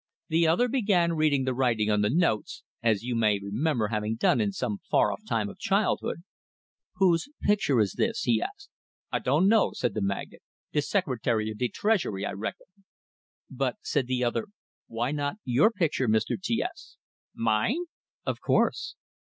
The other began reading the writing on the notes as you may remember having done in some far off time of childhood. "Whose picture is this?" he asked. "I dunno," said the magnate. "De Secretary of de Treasury, I reckon." "But," said the other, "why not your picture, Mr. T S?" "Mine?" "Of course."